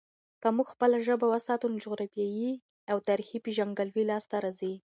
که موږ خپله ژبه وساتو، نو جغرافیايي او تاريخي پیژندګلوي لاسته راځي.